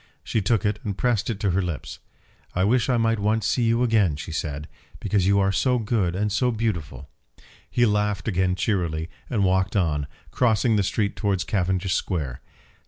She took it and pressed it to her lips. "I wish I might once see you again," she said, "because you are so good and so beautiful." He laughed again cheerily, and walked on, crossing the street towards Cavendish Square.